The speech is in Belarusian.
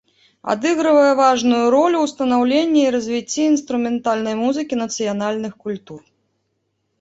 Адыгрывае важную ролю ў станаўленні і развіцці інструментальнай музыкі нацыянальных культур.